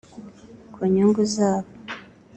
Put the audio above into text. Ku nyungu zabo